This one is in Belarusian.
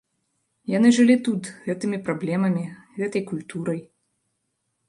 Яны жылі тут, гэтымі праблемамі, гэтай культурай.